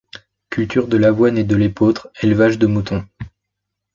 Culture de l’avoine et de l’épeautre; élevage de moutons.